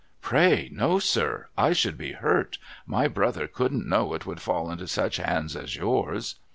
' Pray no, sir ! 1 should be hurt. My brother couldn't know it would fall into such hands as yours.'